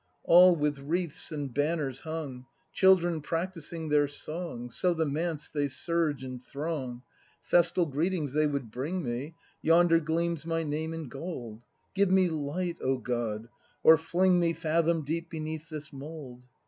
\ All with wreaths and banners hung; Children practising their song; So the Manse they surge and throng, — Festal greetings they would bring me; — Yonder gleams my name in gold! — Give me light, O God, or fling me Fathom deep beneath this mould!